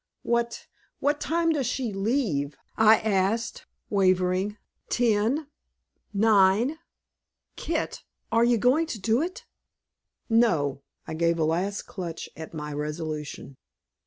"What what time does she leave?" I asked, wavering. "Ten: nine; KIT, are you going to do it?" "No!" I gave a last clutch at my resolution.